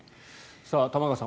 玉川さん